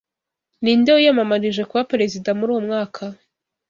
Ninde wiyamamarije kuba perezida muri uwo mwaka?